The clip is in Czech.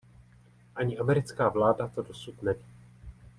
Ani americká vláda to dosud neví.